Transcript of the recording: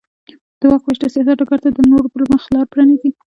د واک وېش د سیاست ډګر ته د نورو پرمخ لار پرانېزي.